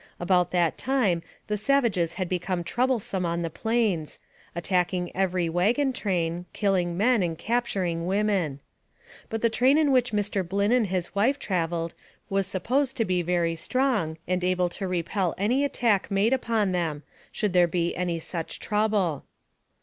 About that time the savages had become trouble some on the plains, attacking every wagon train, kill ing men and capturing women. But the train in which Mr. Blynn and his wife traveled was supposed to be very strong, and able to repel any attack made upon them, should there be any such trouble.